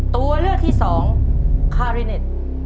ตัวเลือกที่๒คาริเนท